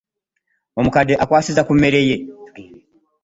Omukadde akwasiza ku mmere ye.